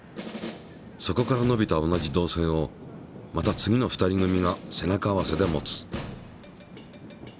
そこから延びた同じ導線をまた次の２人組が背中合わせで持つ。